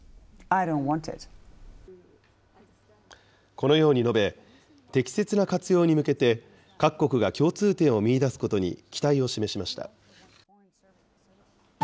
このように述べ、適切な活用に向けて、各国が共通点を見いだすことに期待を示しました。